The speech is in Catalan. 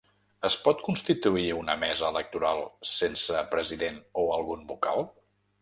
Es pot constituir una mesa electoral sense president o algun vocal?